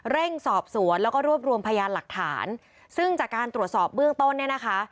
เร่งสอบสวนแล้วก็รวบรวมพยานหลักฐานซึ่งจากการตรวจสอบเบื้องต้นเนี่ยนะคะ